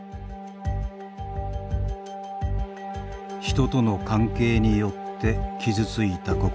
人との関係によって傷ついた心。